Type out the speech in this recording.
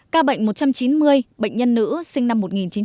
ca bệnh một trăm chín mươi bệnh nhân nữ sinh năm một nghìn chín trăm bảy mươi một